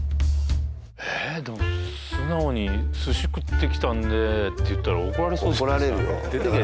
えでも素直に「寿司食ってきたんで」って言ったら怒られそうじゃないですか？